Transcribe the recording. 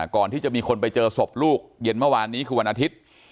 ก่อนที่จะมีคนไปเจอศพลูกเย็นเมื่อวานนี้คือวันอาทิตย์